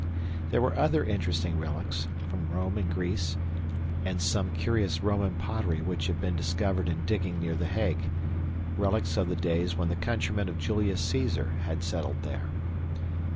There were other interesting relics, from Rome and Greece, and some curious Roman pottery which had been discovered in digging near The Hague relics of the days when the countrymen of Julius Caesar had settled there.